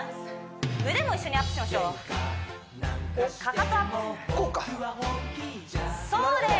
腕も一緒にアップしましょうかかとアップそうです